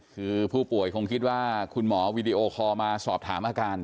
คือผู้ป่วยคงคิดว่าคุณหมอวีดีโอคอลมาสอบถามอาการ